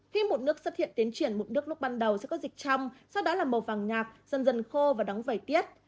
khi mụn nước xuất hiện tiến triển mụn nước lúc ban đầu sẽ có dịch trăm sau đó là màu vàng nhạt dần dần khô và đắng vẩy tiết